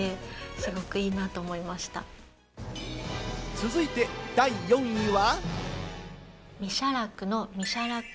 続いて第４位は？